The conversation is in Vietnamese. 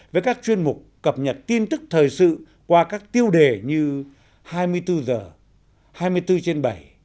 với các chuyên mục cập nhật tin tức thời sự qua các tiêu đề như hai mươi bốn h hai mươi bốn trên bảy